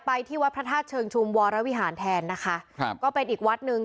ที่วัดพระธาตุเชิงชุมวรวิหารแทนนะคะครับก็เป็นอีกวัดหนึ่ง